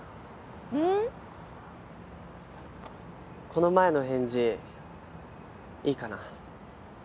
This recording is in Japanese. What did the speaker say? この前の返事いいかな？